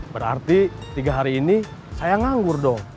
berarti tiga hari ini saya nganggur dong